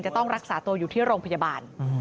จะต้องรักษาตัวอยู่ที่โรงพยาบาล